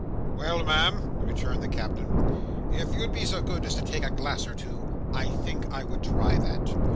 "Well, Ma'am," rejoined the Captain, "if you'd be so good as take a glass or two, I think I would try that.